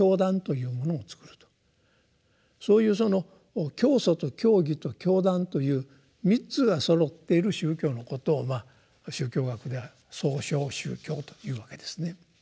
そういうその教祖と教義と教団という３つがそろっている宗教のことを宗教学では「創唱宗教」というわけですね。